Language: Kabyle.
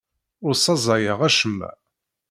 Ur ssaẓayeɣ acemma.